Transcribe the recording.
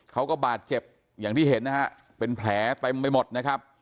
เขาก็บาดเจ็บอย่างที่เห็นนะฮะเป็นแผลเต็มไปหมดนะครับ